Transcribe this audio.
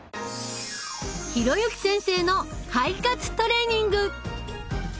弘幸先生の肺活トレーニング！